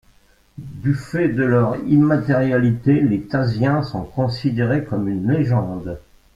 Du fait de leur immatérialité, les Thasiens sont considérés comme une légende.